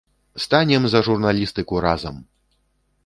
Станем за журналістыку разам!